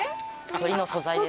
鳥居の素材です。